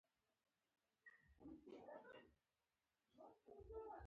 احمد هر کار په ډېرې تېزۍ سره تر سره کوي.